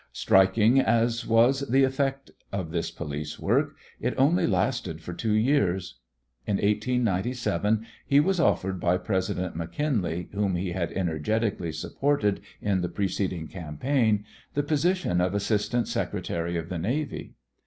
Striking as was the effect of this police work, it only lasted for two years. In 1897 he was offered by President McKinley, whom he had energetically supported in the preceding campaign, the position of Assistant Secretary of the Navy.